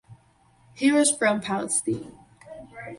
He was from Palestine.